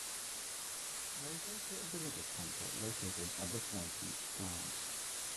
There is also a visitors' center located at the Point Beach plant.